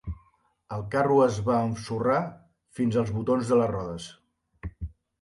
El carro es va ensorrar fins als botons de les rodes.